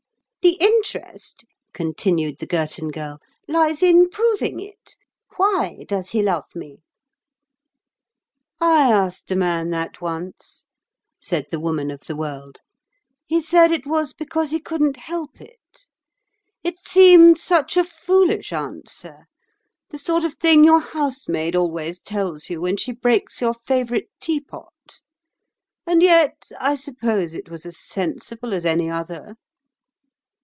"The interest," continued the Girton Girl, "lies in proving it—why does he love me?" "I asked a man that once," said the Woman of the World. "He said it was because he couldn't help it. It seemed such a foolish answer—the sort of thing your housemaid always tells you when she breaks your favourite teapot. And yet, I suppose it was as sensible as any other."